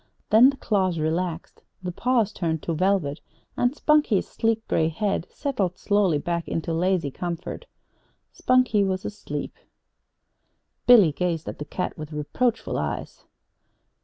Then the jaws relaxed, the paws turned to velvet, and Spunkie's sleek gray head settled slowly back into lazy comfort. Spunkie was asleep. Billy gazed at the cat with reproachful eyes.